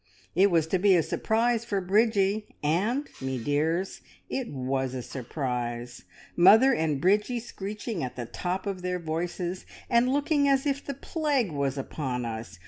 It was to be a surprise for Bridgie, and, me dears, it was a surprise! Mother and Bridgie screeching at the top of their voices, and looking as if the plague was upon us.